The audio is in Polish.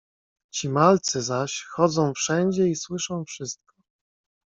"Ci malcy zaś chodzą wszędzie i słyszą wszystko."